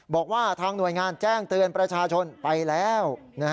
บอกว่าทางหน่วยงานแจ้งเตือนประชาชนไปแล้ว